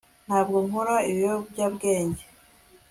ntabwo nkora ibiyobyabwenge